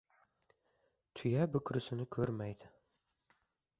• Tuya bukrisni ko‘rmaydi.